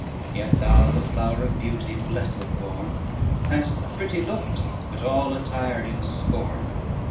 Yet thou, the flower of beauty blessèd born, Hast pretty looks, but all attired in scorn.